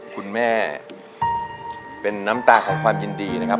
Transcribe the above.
คุณแม่เป็นน้ำตาของความยินดีนะครับ